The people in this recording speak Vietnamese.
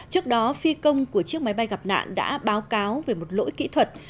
trước đó phi công của chiếc máy bay gặp nạn đã báo cáo về một lỗi kỹ thuật